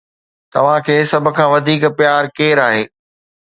توهان کي سڀ کان وڌيڪ پيار ڪير آهي؟